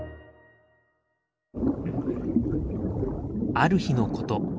ある日のこと。